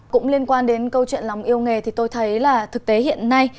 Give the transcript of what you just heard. cũng liên quan đến câu chuyện lòng yêu nghề thì tôi thấy là thực tế hiện nay